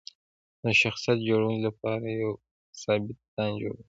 د شخصیت جوړونې لپاره یو ثابت پلان جوړول اړین دي.